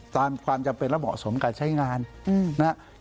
ความจำเป็นและเหมาะสมกับใช้งานนะครับ